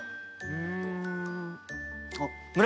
うん。